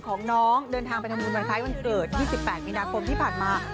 ของน้องเดินทางไปทำบุญวันคล้ายวันเกิด๒๘มีนาคมที่ผ่านมา